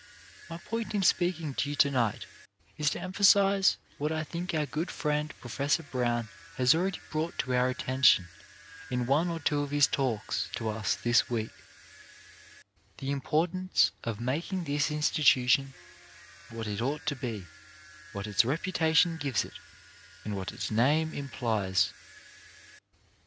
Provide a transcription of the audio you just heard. My point in speaking to you to night is to em phasize what I think our good friend Professor Brown has already brought to our attention in one or two of his talks to us this week, the im portance of making this institution what it ought to be, what its reputation gives it, and what its name implies.